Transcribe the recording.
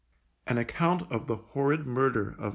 An Account of the horrid murder of MR.